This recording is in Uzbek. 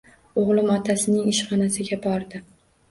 O`g`lim otasining ishxonasiga bordi